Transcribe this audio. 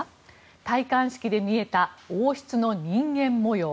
戴冠式で見えた王室の人間模様。